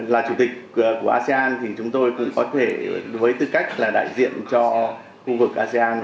là chủ tịch của asean thì chúng tôi cũng có thể với tư cách là đại diện cho khu vực asean